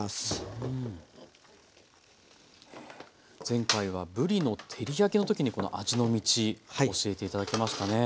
前回はぶりの照り焼きの時にこの「味の道」教えて頂きましたね。